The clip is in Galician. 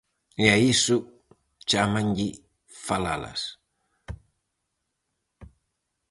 E a iso chámanlle falalas.